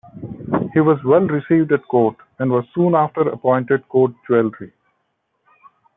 He was well received at court, and was soon after appointed court jeweller.